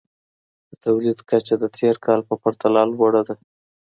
د توليد کچه د تېر کال په پرتله لوړه ده.